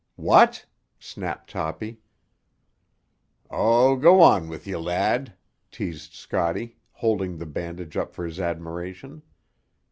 "What?" snapped Toppy. "Oh, go on with ye, lad," teased Scotty, holding the bandage up for his admiration.